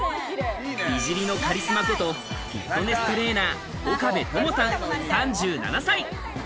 美尻のカリスマこと、フィットネストレーナー、岡部友さん３７歳。